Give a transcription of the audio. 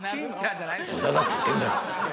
無駄だっつってんだろ。